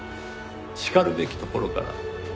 しかるべきところから。